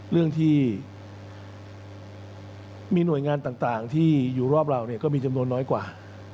เรื่องที่มีหน่วยงานต่างที่อยู่รอบเราก็มีจำนวนน้อยกว่า